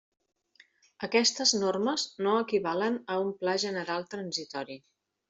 Aquestes normes no equivalen a un pla general transitori.